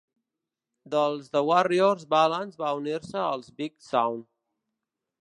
Dels The Warriors, Wallace va unir-se als Big Sound.